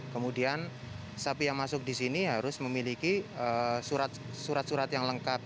kemudian sapi yang masuk di sini harus memiliki surat surat yang lengkap